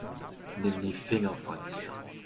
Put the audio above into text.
Nimm die Finger von mir.